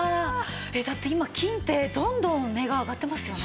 えっだって金ってどんどん値が上がってますよね。